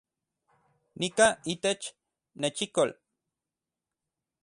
Nika itech nechikol